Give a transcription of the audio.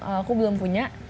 aku belum punya